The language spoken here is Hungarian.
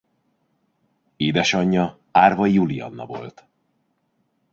Édesanyja Árvay Julianna volt.